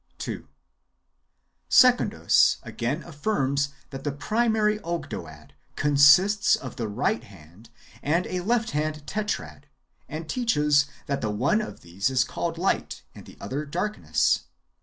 2. Secundus again affirms that the primary Ogdoad consists of a right hand and a left hand Tetrad, and teaches that the one of these is called light, and the other darkness.